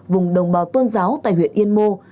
vùng đồng bào tôn giáo tại huyện yên mô